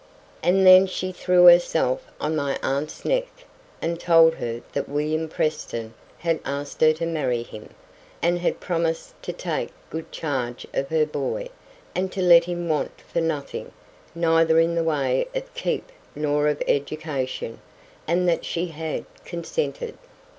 And then she threw herself on my aunt's neck, and told her that William Preston had asked her to marry him, and had promised to take good charge of her boy, and to let him want for nothing, neither in the way of keep nor of education, and that she had consented.